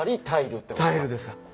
タイルです。